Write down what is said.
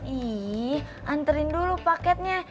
ih anterin dulu paketnya